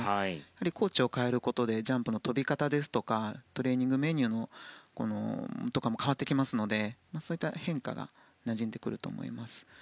コーチを変えることでジャンプの跳び方ですとかトレーニングメニューとかも変わってきますのでそういった変化になじんでくると思います。